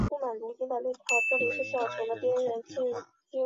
梅埃人口变化图示